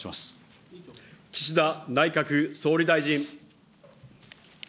岸田内閣総理大臣。